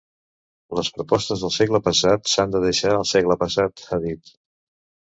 “Les propostes del segle passat, s’han de deixar al segle passat”, ha dit.